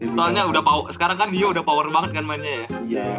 soalnya sekarang kan dia udah power banget kan mainnya ya